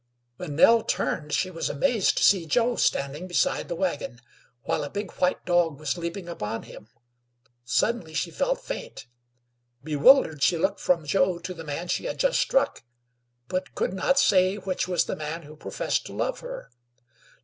When Nell turned she was amazed to see Joe standing beside the wagon, while a big white dog was leaping upon him. Suddenly she felt faint. Bewildered, she looked from Joe to the man she had just struck; but could not say which was the man who professed to love her.